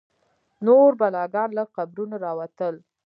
نور بلاګان له قبرونو راوتل.